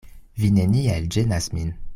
Vi neniel ĝenas min.